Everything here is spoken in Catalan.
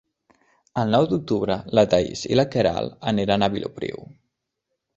El nou d'octubre na Thaís i na Queralt aniran a Vilopriu.